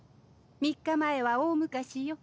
３日前は大昔よ。